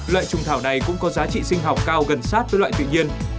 loại trùng thảo này cũng có giá trị sinh học cao gần sát với loại tự nhiên